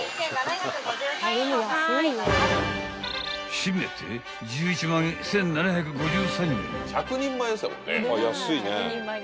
［締めて１１万１，７５３円］